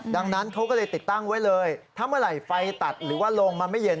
ดังนั้นเขาก็เลยติดตั้งไว้เลยถ้าเมื่อไหร่ไฟตัดหรือว่าโรงมันไม่เย็น